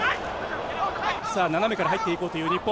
斜めから入っていこうという日本。